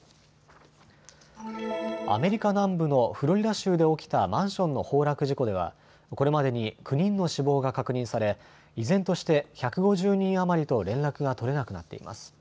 アメリカ南部のフロリダ州で起きたマンションの崩落事故ではこれまでに９人の死亡が確認され依然として１５０人余りと連絡が取れなくなっています。